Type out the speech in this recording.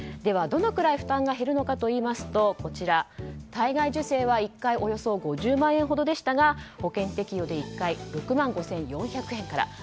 どのくらい負担が減るのかといいますと体外受精は１回およそ５０万円ほどでしたが保険適用で１回６万５４００円から。